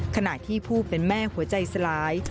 ขณะที่ผู้เป็นแม่หัวใจสลาย